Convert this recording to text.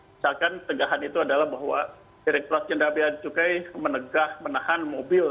misalkan tegahan itu adalah bahwa direktur jendral bea dan cukai menegah menahan mobil